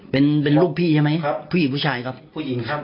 เป็นเป็นลูกพี่ใช่ไหมครับผู้หญิงผู้ชายครับผู้หญิงครับ